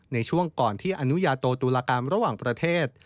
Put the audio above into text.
ในช่วงก่อนที่อนุญาโตตุลากรรมระหว่างประเทศ